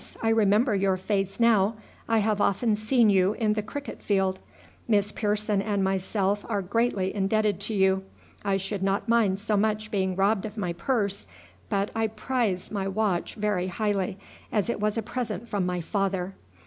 I remember your face now. I have often seen you in the cricket field. Miss Pearson and myself are greatly indebted to you. I should not mind so much being robbed of my purse, but I prize my watch very highly as it was a present from my father.